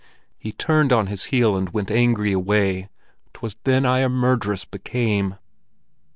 He turned on his heel and went angry away. 'Twas then I a murd'ress became."